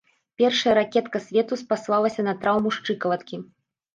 Першая ракетка свету спаслалася на траўму шчыкалаткі.